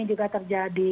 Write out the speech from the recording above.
ini juga terjadi